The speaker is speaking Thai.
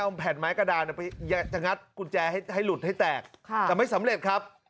เอาแผ่นไม้กระดานไปจะงัดกุญแจให้หลุดให้แตกแต่ไม่สำเร็จครับ